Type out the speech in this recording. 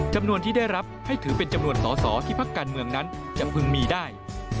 จำนวนที่ได้รับให้ถือเป็นจำนวนสอสอที่พักการเมืองนั้นจะพึงมีได้